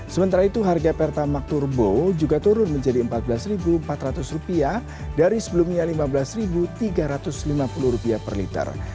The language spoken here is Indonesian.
sementara itu harga pertamak turbo juga turun menjadi rp empat belas empat ratus dari sebelumnya rp lima belas tiga ratus lima puluh per liter